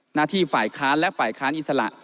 หน้าที่ฝ่ายค้านและฝ่ายค้านอิสระ